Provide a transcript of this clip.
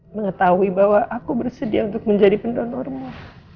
mengetahui bahwa aku bersedia untuk menjadi pendonormu